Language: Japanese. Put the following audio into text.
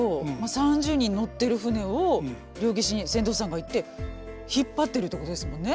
３０人乗ってる船を両岸に船頭さんがいて引っ張ってるってことですもんね。